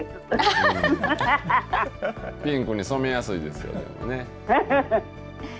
ピンクに染めやすいですよ。